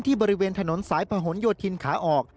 บริเวณถนนสายพะหนโยธินขาออก